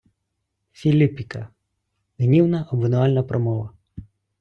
Філіппіка — гнівна обвинувальна промова